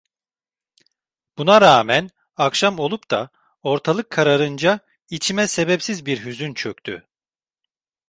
Buna rağmen akşam olup da ortalık kararınca içime sebepsiz bir hüzün çöktü.